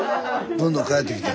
どんどん帰ってきてん。